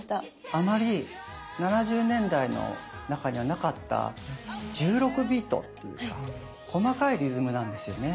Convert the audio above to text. あまり７０年代の中にはなかった１６ビートっていうか細かいリズムなんですよね。